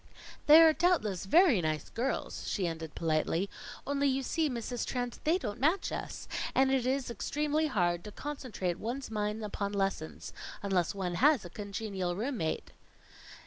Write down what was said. "They are doubtless very nice girls," she ended politely, "only, you see, Mrs. Trent, they don't match us; and it is extremely hard to concentrate one's mind upon lessons, unless one has a congenial room mate."